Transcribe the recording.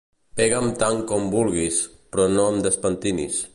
Pega'm tant com vulguis, però no em despentinis.